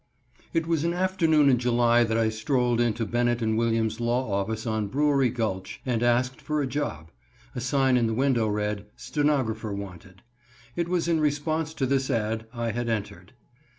_ It was an afternoon in July that I strolled into Bennett & Williams' law office on Brewery Gulch and asked for a job. A sign in the window read: "Stenographer Wanted." It was in response to this ad I had entered.